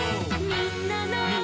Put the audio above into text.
「みんなの」